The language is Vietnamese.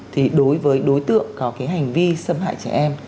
thì đối với đối tượng có cái hành vi xâm hại trẻ em